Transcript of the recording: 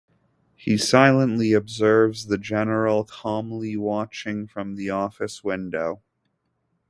He silently observes the General calmly watching from the office window.